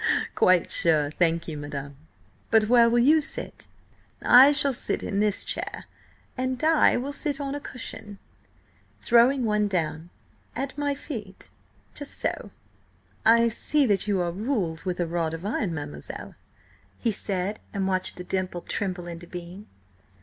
"Quite sure, thank you, madam. But where will you sit?" "I shall sit in this chair, and Di will sit on a cushion"–throwing one down–"at my feet–so." "I see that you are all ruled with a rod of iron, mademoiselle," he said, and watched the dimple tremble into being.